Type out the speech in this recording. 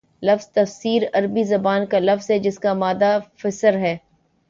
لفظ تفسیر عربی زبان کا لفظ ہے جس کا مادہ فسر ہے